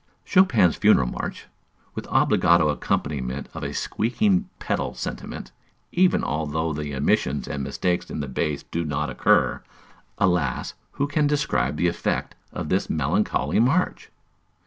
Chopin's Funeral March, with obligato accompaniment of a squeaking pedal sentiment, even although the omissions and mistakes in the bass do not occur, alas! who can describe the effect of this melancholy march?